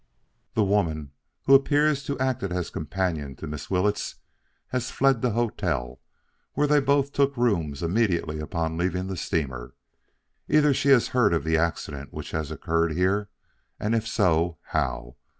The woman who appears to have acted as companion to Miss Willetts has fled the hotel where they both took rooms immediately upon leaving the steamer. Either she has heard of the accident which has occurred here and if so, how?